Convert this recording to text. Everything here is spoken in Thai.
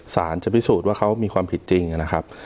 สารจะพิสูจน์ว่าเขามีความผิดจริงนะครับ